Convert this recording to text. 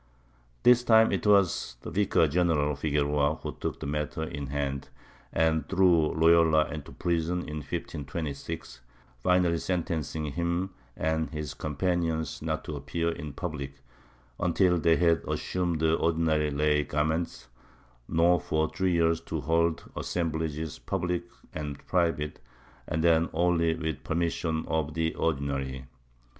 This time it was Vicar general Figueroa who took the matter in hand and threw Loyola into prison, in 1527, finally sentencing him and his companions not to appear in public imtil they had assumed the ordinary lay garments, nor for three years to hold assemblages public or private and then only with ipermission of the Ordinary.'